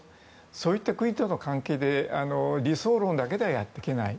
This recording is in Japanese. そういった国との関係で理想論だけではやっていけない。